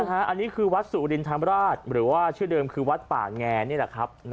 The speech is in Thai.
อันนี้คือวัดสุรินธรรมราชหรือว่าชื่อเดิมคือวัดป่าแงนี่แหละครับ